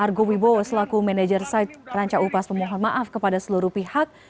argo wibowo selaku manajer side ranca upas memohon maaf kepada seluruh pihak